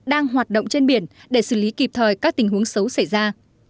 đang hoạt động trên biển để xử lý kịp thời các tình huống xấu xảy ra